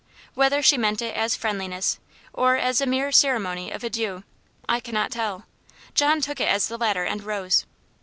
Whether she meant it as friendliness, or as a mere ceremony of adieu, I cannot tell. John took it as the latter, and rose.